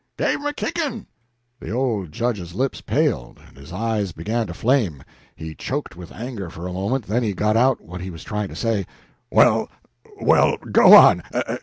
"Gave him a kicking." The old Judge's lips paled, and his eyes began to flame. He choked with anger for a moment, then he got out what he was trying to say "Well well go on!